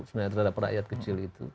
sebenarnya terhadap rakyat kecil itu